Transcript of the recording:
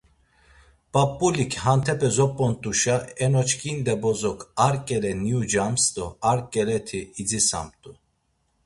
P̌ap̌ulik hantepe zop̌ont̆uşa enoçkinde bozok ar ǩele niucams do ar ǩeleti idzitsamt̆u.